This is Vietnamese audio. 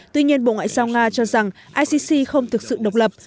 tuy nhiên bộ ngoại giao nga cho rằng icc không thực sự độc lập